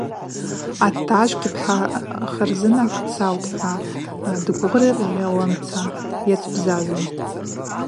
Атажвгьи – пхӏа харзына дсаутӏ – хӏва дгвыргъьауамца йацбзазун.